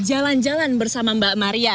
jalan jalan bersama mbak maria